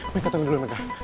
meka tunggu dulu meka